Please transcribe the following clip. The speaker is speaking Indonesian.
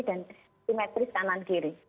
dan simetris kanan kiri